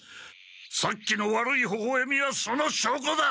さっきの悪いほほえみはそのしょうこだ！